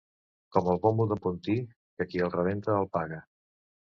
Com el bombo d'en Pontí, que qui el rebenta el paga.